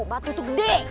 batu tuh gede